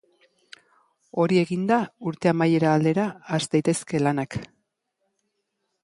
Hori eginda, urte amaiera aldera has daitezke lanak.